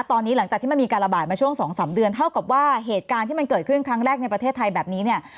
ตอนนี้หลังจากที่มันมีการระบาดมาช่วง๒๓เดือนเท่ากับว่าเหตุการณ์ที่มันเกิดขึ้นครั้งแรกในประเทศไทยแบบนี้เนี่ย